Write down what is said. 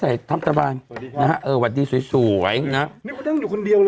สวัสดีค่ะเออสวยนะนี่คุณต้องอยู่คนเดียวเลยหรอ